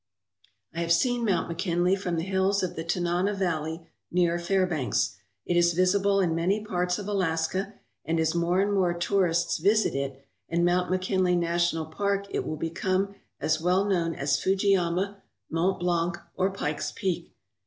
I have seen Mount McKinley from the hills of the Tanana valley near Fairbanks. It is visible in many parts of Alaska and as more and more tourists visit it and Mount McKinley National Park it will become as well known as Fujiyama, Mont Blanc, or Pike's Peak.